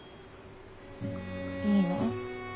いいの？